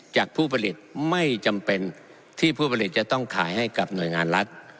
ผู้ผลิตไม่จำเป็นที่ผู้ผลิตจะต้องขายให้กับหน่วยงานรัฐ